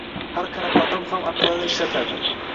Har qanaqa odam ham aqlini ishlatadi.